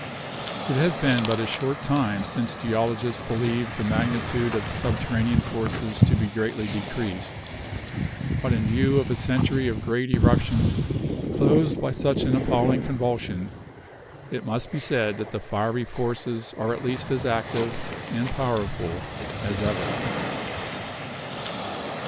It has been but a short time since geologists believed the magnitude of the subterranean forces to be greatly decreased; but in view of a century of great eruptions closed by such an appalling convulsion, it must be said that the fiery forces are at least as active and powerful as ever.